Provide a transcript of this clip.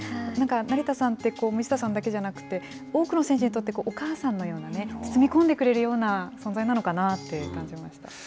なんか、成田さんって、道下さんだけじゃなくて、多くの選手にとってお母さんのようなね、包み込んでくれるような存在なのかなって感じました。